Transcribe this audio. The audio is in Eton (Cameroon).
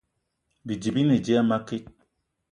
Bidi bi ne dia a makit